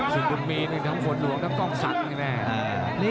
สินกุมมีทั้งคนหลวงทั้งกล้องสัตว์ก็แน่